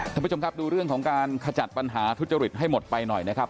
ท่านผู้ชมครับดูเรื่องของการขจัดปัญหาทุจริตให้หมดไปหน่อยนะครับ